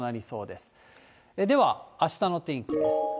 では、あしたの天気です。